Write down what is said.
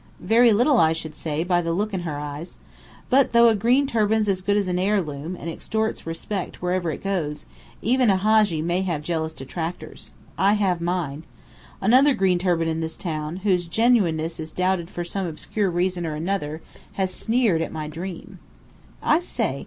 "Very little, I should say, by the look in her eyes. But though a green turban's as good as an heirloom, and extorts respect wherever it goes, even a Hadji may have jealous detractors. I have mine. Another green turban in this town, whose genuineness is doubted for some obscure reason or other, has sneered at my dream." "I say!